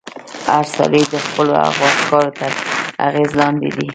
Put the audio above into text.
هر سړی د خپلو هغو افکارو تر اغېز لاندې دی.